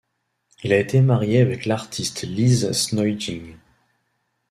Il a été marié avec l'artiste Liz Snoijink.